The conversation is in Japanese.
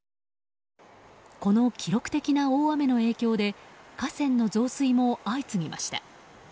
この記録的な大雨の影響で河川の増水も相次ぎました。